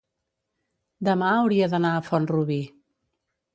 demà hauria d'anar a Font-rubí.